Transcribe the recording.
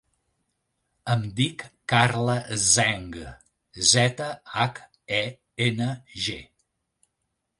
Em dic Carla Zheng: zeta, hac, e, ena, ge.